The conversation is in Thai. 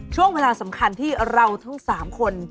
ช่วงเวลาสำคัญที่เราทั้ง๓คน